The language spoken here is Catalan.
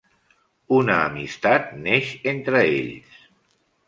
Una amistat neix entre ells.